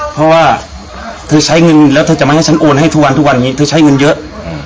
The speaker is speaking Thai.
เพราะว่าเคยใช้เงินเคยไม่ให้ฉันโวนให้ทุกวันเคยใช้เงินเยอะ